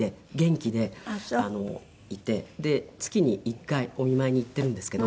で月に１回お見舞いに行ってるんですけど。